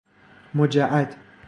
مجعد